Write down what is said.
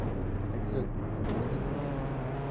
Elle sonne ; un domestique entre.